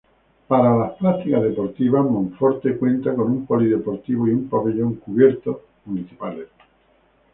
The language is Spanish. Para las prácticas deportivas, Monforte cuenta con un Polideportivo y un Pabellón Cubierto municipales.